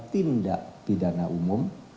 tindak pidana umum